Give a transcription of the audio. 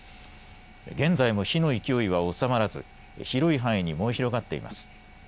現在も火の勢いは収まらず広い範囲に燃え広がっています。